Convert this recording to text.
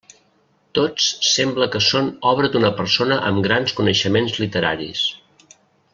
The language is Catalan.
Tots sembla que són obra d'una persona amb grans coneixements literaris.